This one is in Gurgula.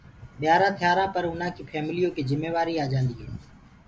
ٻيآرآ ٿيآرآ پر اُنآ ڪي ڦيمليو ڪي جِميوآري آجآندي هي۔